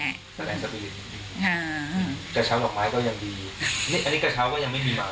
กระเช้าหลักไม้ก็ยังมีอันเนี้ยกระเช้าก็ยังไม่มีนะ